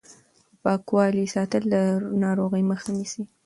د پاکوالي ساتل د ناروغۍ مخه نیسي.